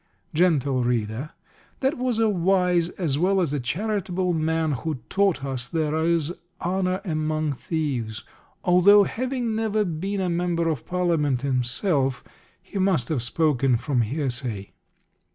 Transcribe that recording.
Gentle reader, that was a wise as well as a charitable man who taught us there is honour among thieves; although, having never been a member of Parliament himself, he must have spoken from hearsay.